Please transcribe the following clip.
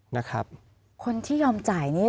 นะครับคนที่ยอมจ่ายนี้